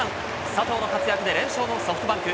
佐藤の活躍で連勝のソフトバンク。